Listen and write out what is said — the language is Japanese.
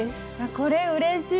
これうれしい！